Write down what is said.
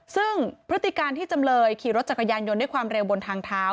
ซึ่งพฤติการที่จำเลยขี่รถจักรยานยนต์ด้วยความเร็วบนทางเท้า